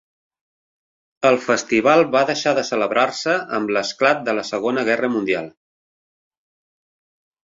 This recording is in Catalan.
El festival va deixar de celebrar-se amb l'esclat de la Segona Guerra Mundial.